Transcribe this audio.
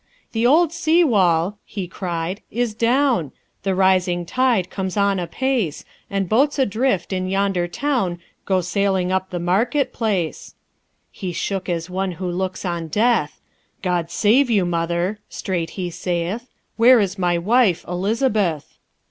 "'The olde sea wall (he cried) is downe, The rising tide comes on apace, And boats adrift in yonder towne Go sailing uppe the market place.' He shook as one who looks on death: 'God save you, mother!' straight he saith; 'Where is my wife, Elizabeth?'"